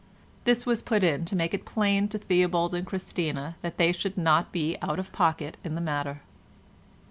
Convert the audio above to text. This was put in to make it plain to Theobald and Christina that they should not be out of pocket in the matter.